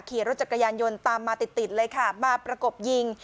ขี่รถจักรยานยนต์ตามมาติดติดเลยค่ะมาประกบยิง